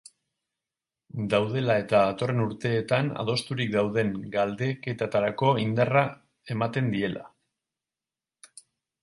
Daudela eta datorren urteetan adosturik dauden galdeketetarako indarra ematen diela.